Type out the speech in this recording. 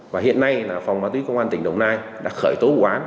và hiện nay là phòng ma túy công an tỉnh đồng nai đã khởi tố vụ án